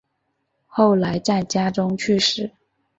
后来在家中去世。